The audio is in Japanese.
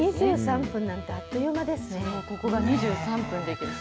２３分なんてあっという間でここが２３分で行ける。